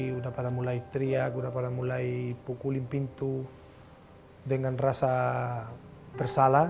sudah mulai teriak sudah mulai pukul pintu dengan rasa bersalah